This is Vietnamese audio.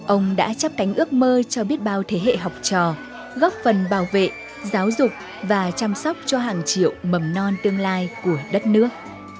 ông đã chấp cánh ước mơ cho biết bao thế hệ học trò góp phần bảo vệ giáo dục và chăm sóc cho hàng triệu mầm non tương lai của đất nước